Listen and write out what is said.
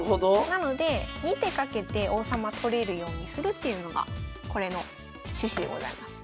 なので２手かけて王様取れるようにするっていうのがこれの趣旨でございます。